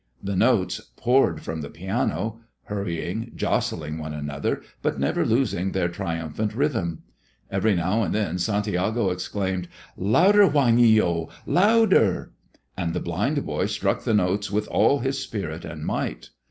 The notes poured from the piano, hurrying, jostling one another, but never losing their triumphant rhythm. Every now and then Santiago exclaimed, "Louder, Juanillo! Louder!" And the blind boy struck the notes with all his spirit and might.